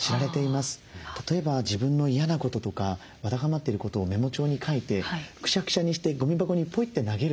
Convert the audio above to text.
例えば自分の嫌なこととかわだかまってることをメモ帳に書いてクシャクシャにしてごみ箱にポイッて投げる。